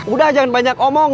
udah jangan banyak omong